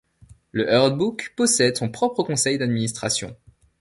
Le herd-book possède son propre conseil d’administration.